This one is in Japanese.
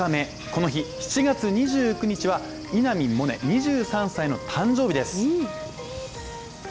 この日、７月２９日は稲見萌寧、２３歳の誕生日です。